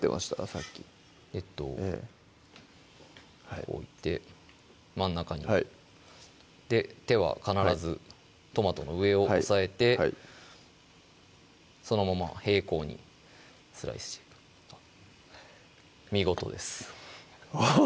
さっきえっとこう置いて真ん中にはい手は必ずトマトの上を押さえてそのまま平行にスライスしていく見事ですあぁ